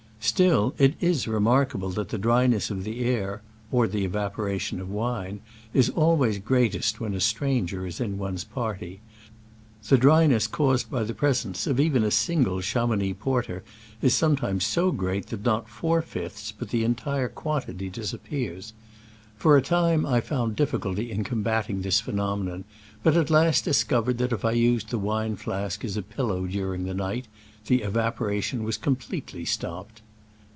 Still, it is remarkable that the dryness of the air (or the evaporation of wine) is always greatest when a stranger is in one's party : the dryness caused by the pres ence of even a single Chamounix porter is sometimes so great that not four fifths but the entire quantity disappears. For a time I found difficulty in combating this phenomenon, but at last discovered that if I used the wine flask as a pillow during the night the evaporation was completely stopped.